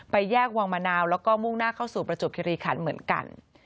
แยกวังมะนาวแล้วก็มุ่งหน้าเข้าสู่ประจวบคิริขันเหมือนกัน